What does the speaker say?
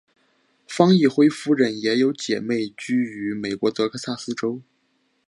方奕辉夫人也有姊妹居于美国德萨斯州。